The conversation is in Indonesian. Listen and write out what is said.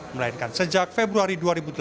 melainkan sejak februari dua ribu delapan belas